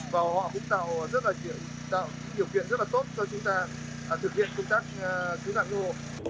và họ cũng tạo điều kiện rất là tốt cho chúng ta thực hiện công tác cứu nạn hộ